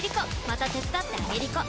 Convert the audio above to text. また手伝ってあげりこ！